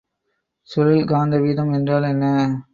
சுழல் காந்த வீதம் என்றால் என்ன?